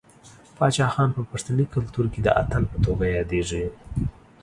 باچا خان په پښتني کلتور کې د اتل په توګه یادیږي.